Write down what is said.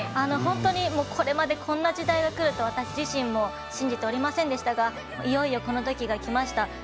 本当にこれまでこんな時代がくると私自身も信じておりませんでしたがいよいよ、このときがきました。